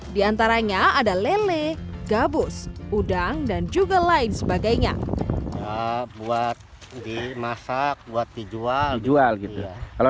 di antaranya ada lele gabus udang dan juga lain sebagainya buat dimasak buat dijual jual gitu ya kalau